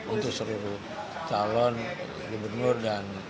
untuk seluruh calon gubernur dan